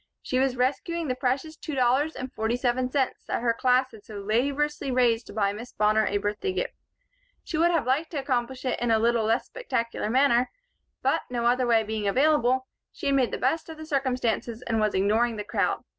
She was rescuing the precious two dollars and forty seven cents that her class had so laboriously raised to buy Miss Bonner a birthday gift. She would have liked to accomplish it in a little less spectacular manner, but, no other way being available, she had made the best of circumstances and was ignoring the crowd.